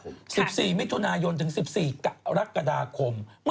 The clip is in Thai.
จุด๑๔มิถุญายนถึง๑๔รักษฎาคม